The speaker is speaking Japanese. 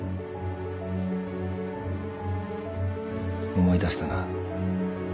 思い出したな。